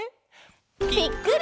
ぴっくり！